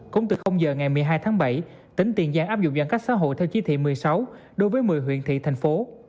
cũng từ giờ ngày một mươi hai tháng bảy tỉnh tiền giang áp dụng giãn cách xã hội theo chí thị một mươi sáu đối với một mươi huyện thị thành phố